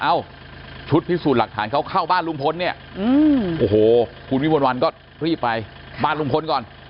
ชุดพิสูจน์หลักฐานเขาเข้าบ้านลุงพลเนี่ยโอ้โหคุณวิมวลวันก็รีบไปบ้านลุงพลก่อน